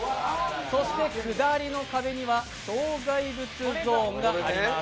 そして下りの壁には障害物ゾーンがあります。